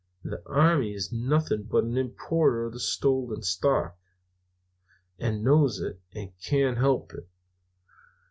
The army is nothing but an importer of stolen stock, and knows it, and can't help it.